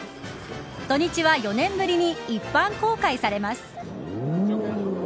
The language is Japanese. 土日は４年ぶりに一般公開されます。